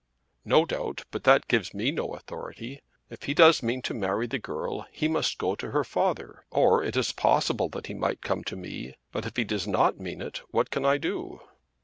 "No doubt. But that gives me no authority. If he does mean to marry the girl he must go to her father; or it is possible that he might come to me. But if he does not mean it, what can I do?"